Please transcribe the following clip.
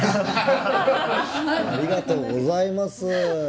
ありがとうございます。